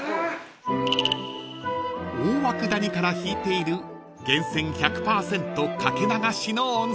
［大涌谷からひいている源泉１００％かけ流しの温泉］